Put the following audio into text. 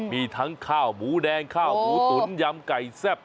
มีทั้งข้าวหมูแดงข้าวหมูตุ๋นยำไก่แซ่บ